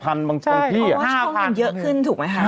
เพราะว่าช่องมันเยอะขึ้นถูกไหมคะ